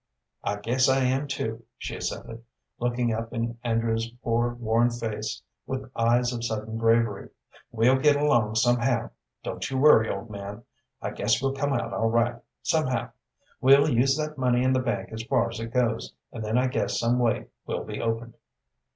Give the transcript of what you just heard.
"I guess I am, too," she assented, looking up in Andrew's poor, worn face with eyes of sudden bravery. "We'll get along somehow don't you worry, old man. I guess we'll come out all right, somehow. We'll use that money in the bank as far as it goes, and then I guess some way will be opened."